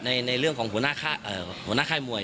ในเรื่องของหัวหน้าค่ายมวย